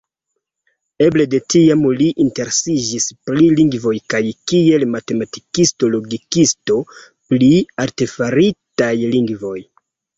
Eble de tiam li interesiĝis pri lingvoj kaj, kiel matematikisto-logikisto, pri artefaritaj lingvoj.